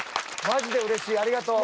マジでうれしいありがとう。